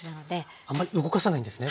あんまり動かさないんですね。